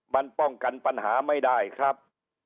มันป้องกันปัญหาไม่ได้ครับ